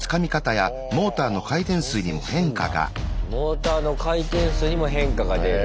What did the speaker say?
モーターの回転数にも変化が出る。